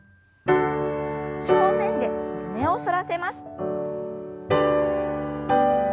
正面で胸を反らせます。